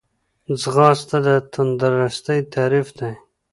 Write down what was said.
ځغاسته د تندرستۍ تعریف دی